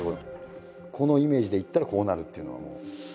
このイメージでいったらこうなるっていうのは。